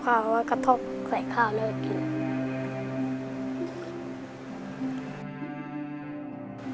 เพราะว่ากระทบใส่ข้าวแล้วกิน